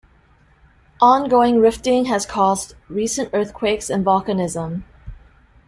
Ongoing rifting has caused recent earthquakes and volcanism.